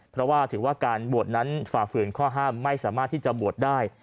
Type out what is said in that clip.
เพราะว่าถือว่าการบวชนั้นฝ่าฝืนข้อห้ามไม่สามารถที่จะบวชได้